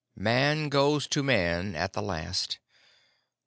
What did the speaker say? "Man goes to Man at the last.